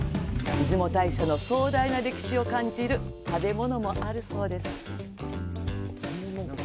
出雲大社の壮大な歴史を感じる食べ物もあるそうです。